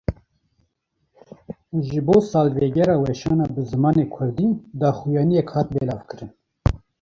Ji bo salvegera weşana bi zimanê Kurdî, daxuyaniyek hat belavkirin